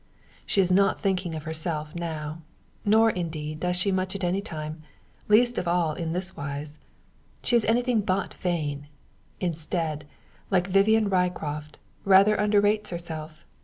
She is not thinking of herself now; nor, indeed, does she much at any time least of all in this wise. She is anything but vain; instead, like Vivian Ryecroft, rather underrates herself.